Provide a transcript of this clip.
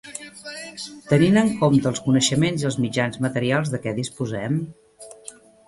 Tenint en compte els coneixements i els mitjans materials de què disposem...